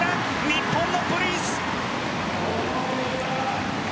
日本のプリンス。